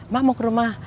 ma mau kerumah